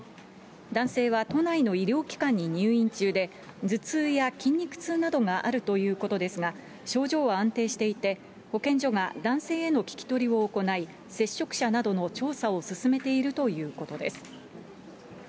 男性は都内の医療機関に入院中で、頭痛や筋肉痛などがあるということですが、症状は安定していて、保健所が男性への聞き取りを行い、接触者などの調査を進めているということです。